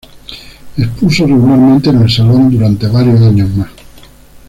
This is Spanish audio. Expuso regularmente en el salón durante varios años más.